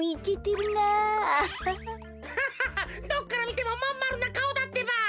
ぎゃははどっからみてもまんまるなかおだってば。